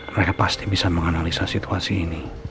mereka pasti bisa menganalisa situasi ini